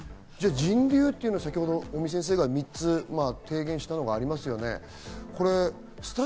人流というのは先ほど尾身先生が３つ提言したのがありましたね。